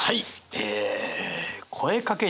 え。